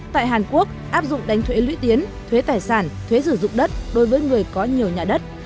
tại hàn quốc áp dụng đánh thuế lũy tiến thuế tài sản thuế sử dụng đất đối với người có nhiều nhà đất